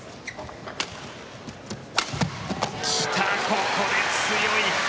ここで強い。